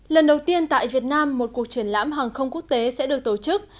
lần đầu tiên tại việt nam một cuộc triển lãm hàng không quốc tế sẽ được tổ chức